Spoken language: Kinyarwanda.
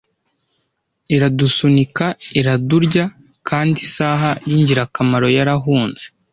iradusunika iradurya kandi isaha y'ingirakamaro yarahunze